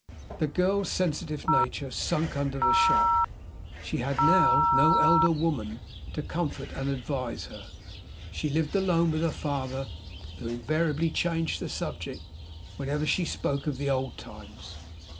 The girl's sensitive nature sunk under the shock. She had now no elder woman to comfort and advise her; she lived alone with her father, who invariably changed the subject whenever she spoke of the old times.